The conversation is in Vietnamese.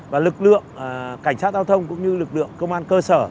và lực lượng cảnh sát giao thông cũng như lực lượng công an cơ sở